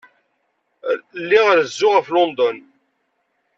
Lliɣ rezzuɣ ɣef London.